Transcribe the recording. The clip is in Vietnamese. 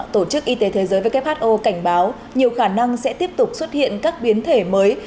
tổ chức y tế thế giới who cảnh báo nhiều khả năng sẽ tiếp tục xuất hiện các biến thể mới